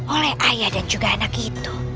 oleh ayah dan juga anak itu